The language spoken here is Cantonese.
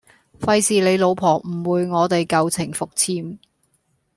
費事你老婆誤會我哋舊情復熾